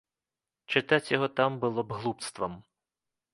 Чытаць яго там было б глупствам.